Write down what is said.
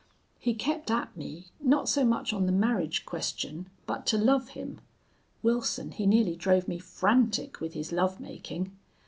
He kept at me, not so much on the marriage question, but to love him. Wilson, he nearly drove me frantic with his lovemaking.